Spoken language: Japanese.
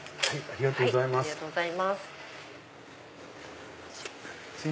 ありがとうございます。